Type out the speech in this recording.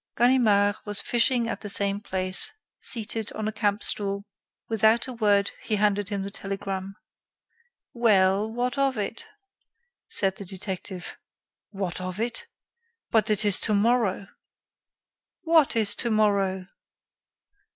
Ganimard was fishing at the same place, seated on a campstool. Without a word, he handed him the telegram. "Well, what of it?" said the detective. "What of it? But it is tomorrow." "What is tomorrow?"